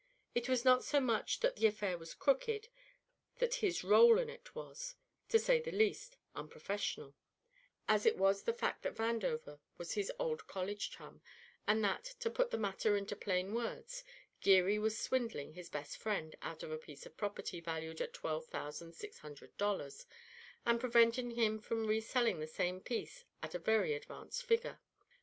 It was not so much that the affair was crooked, that his rôle in it was, to say the least, unprofessional, as it was the fact that Vandover was his old college chum and that, to put the matter into plain words, Geary was swindling his best friend out of a piece of property valued at twelve thousand six hundred dollars, and preventing him from reselling the same piece at a very advanced figure.